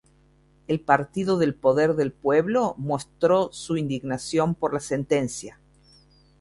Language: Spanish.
El Partido del Poder del Pueblo mostró su indignación por la sentencia.